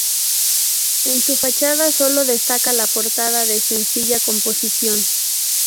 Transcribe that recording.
En su fachada sólo destaca la portada, de sencilla composición.